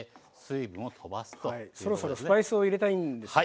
そろそろスパイスを入れたいんですよね。